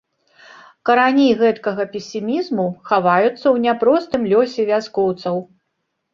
Карані гэткага песімізму хаваюцца ў няпростым лёсе вяскоўцаў.